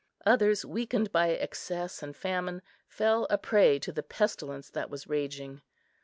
Others, weakened by excess and famine, fell a prey to the pestilence that was raging.